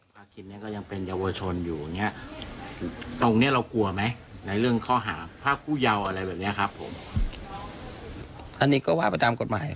พ่อเขาปูเขามาถูกขอนะครับก็คือว่าทองเราก็เลี้ยงดูของเราได้